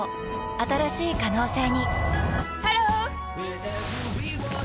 新しい可能性にハロー！